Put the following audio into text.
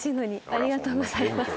ありがとうございます。